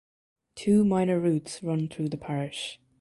Two minor routes run through the parish.